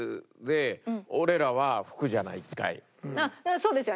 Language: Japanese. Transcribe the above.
そうですよね。